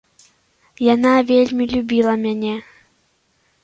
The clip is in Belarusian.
Яна вельмі любіла мяне.